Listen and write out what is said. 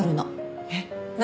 えっ何？